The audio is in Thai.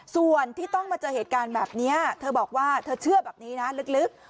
ส่วนที่ต้องมาเจอเหตุการณ์แบบนี้เธอบอกว่าเธอเชื่อแบบนี้นะลึก